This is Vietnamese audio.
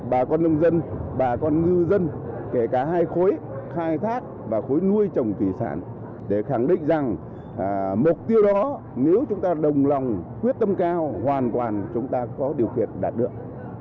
bà con nông dân bà con ngư dân kể cả hai khối khai thác và khối nuôi trồng thủy sản để khẳng định rằng mục tiêu đó nếu chúng ta đồng lòng quyết tâm cao hoàn toàn chúng ta có điều kiện đạt được